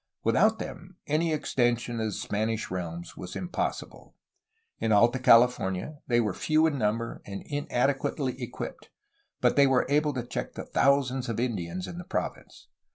Without them, any extension of the Spanish realms was impossible. In Alta California they were few in number and inadequately equipped, but were able to check the thousands of Indians in the province.